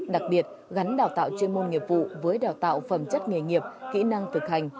đặc biệt gắn đào tạo chuyên môn nghiệp vụ với đào tạo phẩm chất nghề nghiệp kỹ năng thực hành